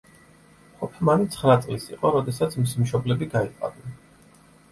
ჰოფმანი ცხრა წლის იყო, როდესაც მისი მშობლები გაიყარნენ.